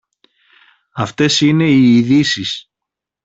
Αυτές είναι οι ειδήσεις